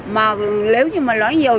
mà nếu như mà nói nhiều